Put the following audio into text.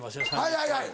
はいはいはい。